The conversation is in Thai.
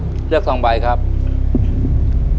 ตัวเลือกที่สี่ชัชวอนโมกศรีครับ